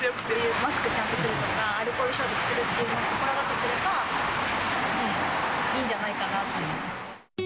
マスクちゃんとするとか、アルコール消毒するっていうのを心がけていれば、いいんじゃないかなと。